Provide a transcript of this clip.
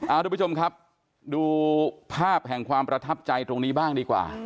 ทุกผู้ชมครับดูภาพแห่งความประทับใจตรงนี้บ้างดีกว่า